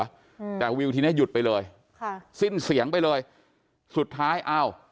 อืมแต่วิวทีเนี้ยหยุดไปเลยค่ะสิ้นเสียงไปเลยสุดท้ายอ้าว